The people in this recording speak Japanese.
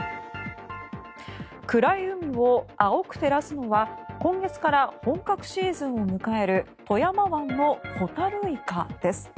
暗い海を青く照らすのは今月から本格シーズンを迎える富山湾のホタルイカです。